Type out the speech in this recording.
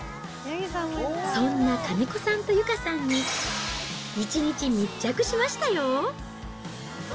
そんな金子さんと由佳さんに、１日密着しましたよ。